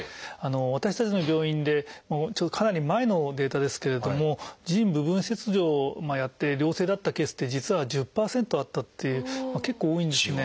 私たちの病院でかなり前のデータですけれども腎部分切除をやって良性だったケースって実は１０％あったっていう結構多いんですね。